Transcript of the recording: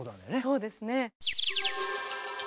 そうですね。